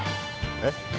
えっ？